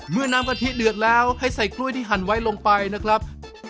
น้ำกะทิเดือดแล้วให้ใส่กล้วยที่หั่นไว้ลงไปนะครับ